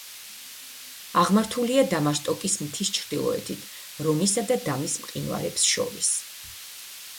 აღმართულია დამაშტოკის მთის ჩრდილოეთით, რონისა და დამის მყინვარებს შორის.